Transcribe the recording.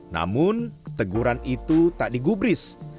namun teguran itu tak digubris